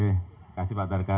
eh kasih pak tarkam